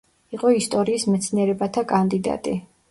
იყო ისტორიის მეცნიერებათა კანდიდატი.